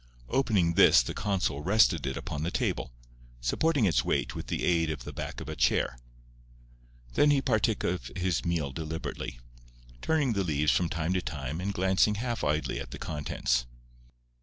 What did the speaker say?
Opening this the consul rested it upon the table, supporting its weight with the aid of the back of a chair. Then he partook of his meal deliberately, turning the leaves from time to time and glancing half idly at the contents.